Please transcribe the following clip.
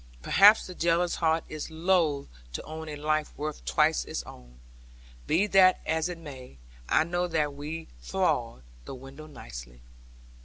Perhaps the jealous heart is loath to own a life worth twice its own. Be that as it may, I know that we thawed the window nicely.